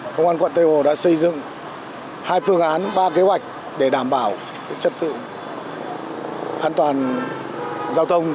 công an quận tây hồ đã xây dựng hai phương án ba kế hoạch để đảm bảo chất tự an toàn giao thông